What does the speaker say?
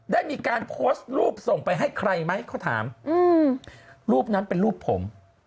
ได้มีการโพสต์รูปส่งไปให้ใครไหมเขาถามรูปนั้นเป็นรูปผม